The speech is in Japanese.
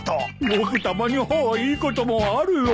ごくたまにはいいこともあるよ。